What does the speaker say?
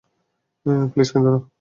Please কেঁদো না।